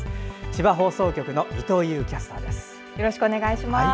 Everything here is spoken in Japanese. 千葉放送局の伊藤優キャスターです。